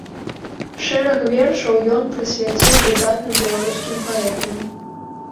Шэраг вершаў ён прысвяціў выдатным беларускім паэтам.